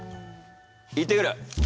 行ってくる。